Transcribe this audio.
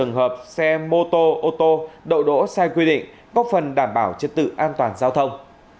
đồng thời tuyên truyền nhắc nhở hơn bảy trăm linh trường hợp xe mô tô đậu đỗ sai quy định góp phần đảm bảo chất tự an toàn giao thông